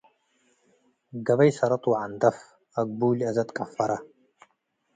ገበይ ሰረጥ ወዐንደፍ - አግቡይ ለአዜ ትቀፈረ፣